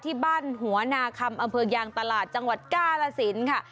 ที่บ้านหัวนาคมอยางตลาดจังหวัดกาลสินค่ะ